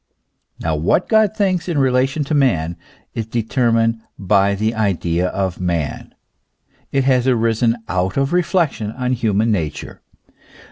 Now what God thinks in relation to man is determined by the idea of man it has arisen out of reflection on human nature.